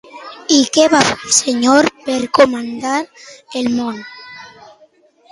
I què va fer el senyor per comandar el moment?